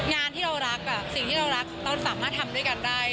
งานที่เรารักสิ่งที่เรารักเราสามารถทำด้วยกันได้